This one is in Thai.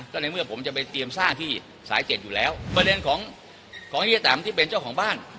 ก็ในเมื่อผมจะไปเตรียมสร้างที่สายเจ็ดอยู่แล้วประเด็นของของเฮียแตมที่เป็นเจ้าของบ้าน